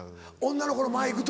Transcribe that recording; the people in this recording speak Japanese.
女の子の前行くと。